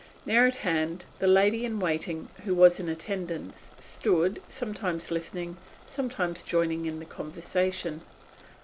Near at hand the lady in waiting who was in attendance stood, sometimes listening, sometimes joining in the conversation.